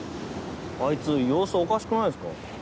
あいつ様子おかしくないですか？